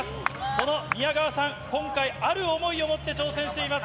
その宮川さん、今回、ある思いを持って挑戦しています。